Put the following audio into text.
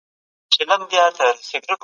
هغه څېړونکی چې ضد نه کوي ژر بریا ته رسېږي.